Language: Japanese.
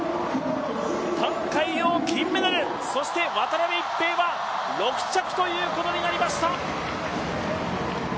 覃海洋金メダル、そして渡辺一平は６着ということになりました。